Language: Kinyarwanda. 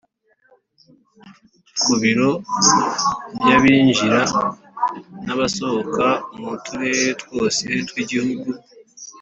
ku biro by’abinjira n’abasohoka mu turere twose tw’igihugu